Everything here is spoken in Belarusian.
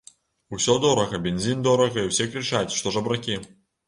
Усё дорага, бензін дорага, і ўсе крычаць, што жабракі.